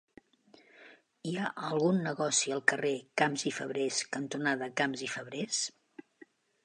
Hi ha algun negoci al carrer Camps i Fabrés cantonada Camps i Fabrés?